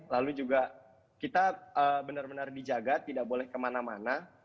lalu juga kita benar benar dijaga tidak boleh kemana mana